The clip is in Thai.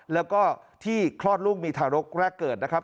แล้วก็ที่คลอดลูกมีทารกแรกเกิดนะครับ